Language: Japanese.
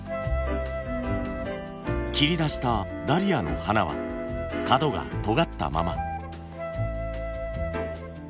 切り出したダリアの花は角がとがったまま。